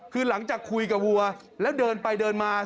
คือหลังจากคุยกับวัวแล้วเดินไปเดินมา